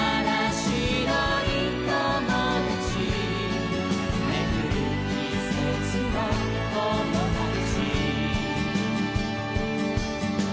「しろいともだち」「めぐるきせつのともだち」